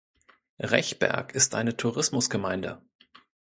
Rechberg ist eine Tourismusgemeinde.